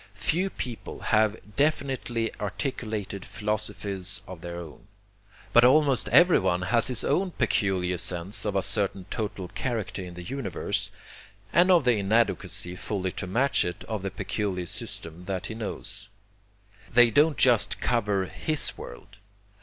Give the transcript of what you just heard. Few people have definitely articulated philosophies of their own. But almost everyone has his own peculiar sense of a certain total character in the universe, and of the inadequacy fully to match it of the peculiar systems that he knows. They don't just cover HIS world.